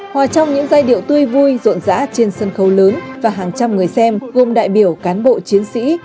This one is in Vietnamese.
hòa trong những giai điệu tươi vui rộn rã trên sân khấu lớn và hàng trăm người xem gồm đại biểu cán bộ chiến sĩ